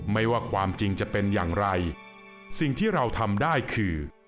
ไม่ว่าความจริงจะเป็นอย่างไรสิ่งที่เราทำได้คือ